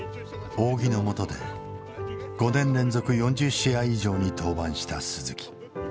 仰木のもとで５年連続４０試合以上に登板した鈴木。